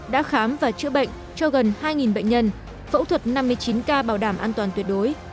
đã khám và chữa bệnh cho gần hai bệnh nhân phẫu thuật năm mươi chín ca bảo đảm an toàn tuyệt đối